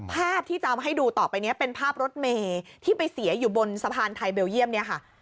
ภาพที่จะเอามาให้ดูต่อไปนี้เป็นภาพรถเมย์ที่ไปเสียอยู่บนสะพานไทยเบลเยี่ยมเนี่ยค่ะ